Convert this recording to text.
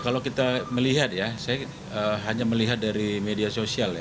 kalau kita melihat saya hanya melihat dari media sosial